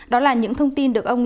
đó là những thông tin được ủng hộ